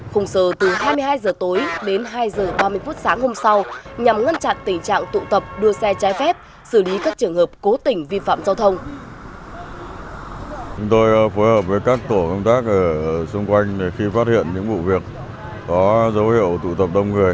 khung giờ từ hai mươi hai h tối đến hai h ba mươi phút sáng hôm sau nhằm ngăn chặn tình trạng tụ tập đua xe trái phép xử lý các trường hợp cố tình vi phạm giao thông